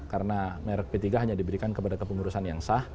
karena merk p tiga hanya diberikan kepada kepunggungnya